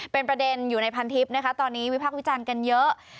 เป็นประเด็นอยู่ในพันทิพย์นะคะตอนนี้วิพักษ์วิจารณ์กันเยอะ